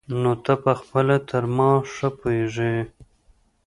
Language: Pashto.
نو ته پخپله تر ما ښه پوهېږي.